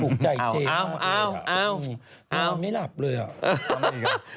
โอ้โฮไม่หลับเลยอ่ะ